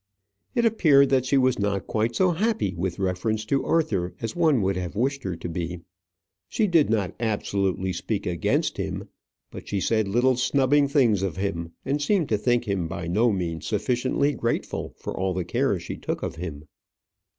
It appeared that she was not quite so happy with reference to Arthur as one would have wished her to be. She did not absolutely speak against him; but she said little snubbing things of him, and seemed to think him by no means sufficiently grateful for all the care she took of him.